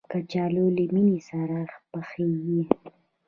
کچالو له مېنې سره پخېږي